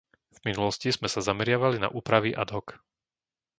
V minulosti sme sa zameriavali na úpravy ad hoc.